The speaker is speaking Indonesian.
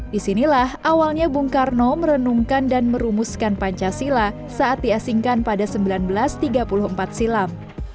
disinilah awalnya bung karno merenungkan dan merumuskan pancasila saat diasingkan pada seribu sembilan ratus tiga puluh empat silam